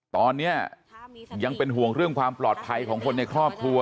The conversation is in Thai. ตอนนี้ยังเป็นห่วงเรื่องความปลอดภัยของคนในครอบครัว